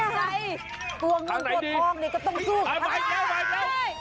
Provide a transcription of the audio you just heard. ตัวเงินตัวทองเนี่ยก็ต้องชู้กับขนาดนี้